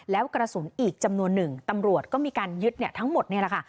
แล้วกระสุนอีกจำนวนหนึ่งตำรวจก็มีการยึดทั้งหมดนี่แหละค่ะ